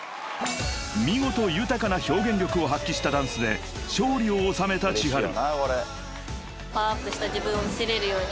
［見事豊かな表現力を発揮したダンスで勝利を収めたｃｈｉｈａｒｕ］